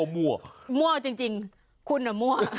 มั่วจริงคุณอ่ะ